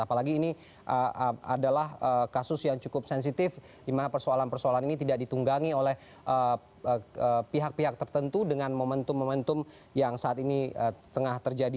apalagi ini adalah kasus yang cukup sensitif di mana persoalan persoalan ini tidak ditunggangi oleh pihak pihak tertentu dengan momentum momentum yang saat ini tengah terjadi